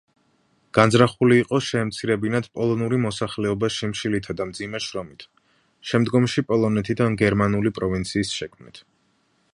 განზრახული იყო შეემცირებინათ პოლონური მოსახლეობა შიმშილითა და მძიმე შრომით, შემდგომში პოლონეთიდან გერმანული პროვინციის შექმნით.